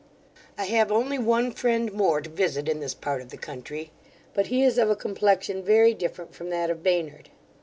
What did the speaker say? I have only one friend more to visit in this part of the country, but he is of a complexion very different from that of Baynard.